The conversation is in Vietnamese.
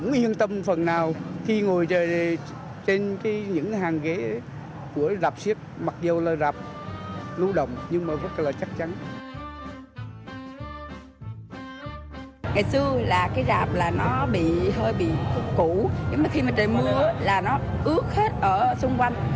nhưng mà khi mà trời mưa là nó ướt hết ở xung quanh